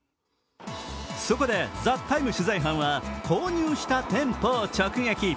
そこで「ＴＨＥＴＩＭＥ，」取材班は購入した店舗を直撃。